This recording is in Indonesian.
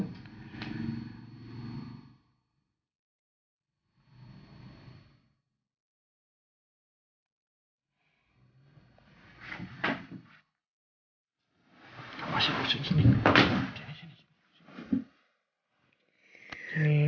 dimana yang akan distracted